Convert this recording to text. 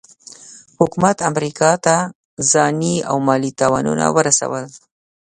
حکومت امریکا ته ځاني او مالي تاوانونه ورسول.